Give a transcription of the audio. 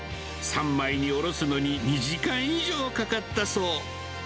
三枚におろすのに２時間以上かかったそう。